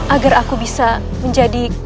agar aku bisa menjadi